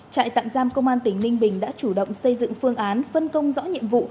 trại tạm giam công an tỉnh ninh bình đã chủ động xây dựng phương án phân công rõ nhiệm vụ